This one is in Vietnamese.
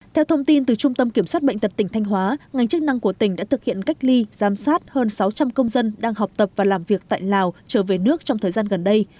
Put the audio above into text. theo thông tin từ trung tâm kiểm soát bệnh tật tỉnh thanh hóa ngành chức năng của tỉnh đã thực hiện cách ly giám sát hơn sáu trăm linh công dân đang học tập và làm việc tại lào trở về nước trong thời gian gần đây